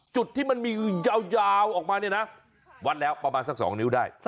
จุดที่มันมียาวออกมาเนี่ยนะวัดแล้วประมาณสัก๒นิ้วได้